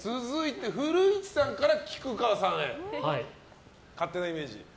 古市さんから菊川さんへ勝手なイメージ。